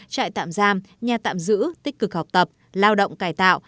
trại tạm giam nhà tạm giữ tích cực học tập lao động cải tạo